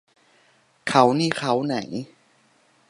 เค้านี่เค้าไหน